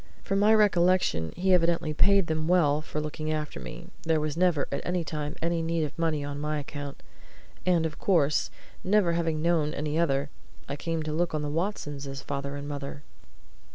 From my recollection he evidently paid them well for looking after me there was never, at any time, any need of money on my account. And of course, never having known any other, I came to look on the Watsons as father and mother.